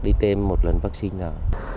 đi tìm một lần vaccine nào